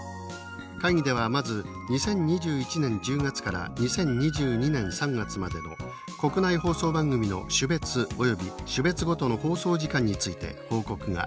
会議ではまず２０２１年１０月から２０２２年３月までの国内放送番組の種別および種別ごとの放送時間について報告がありました。